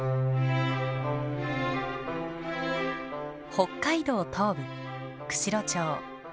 北海道東部釧路町。